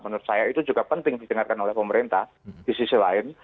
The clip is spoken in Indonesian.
menurut saya itu juga penting didengarkan oleh pemerintah di sisi lain